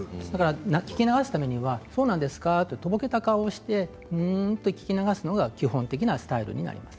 聞き流すためにそうなんですかととぼけた顔して聞き流すのが基本的なスタイルになります。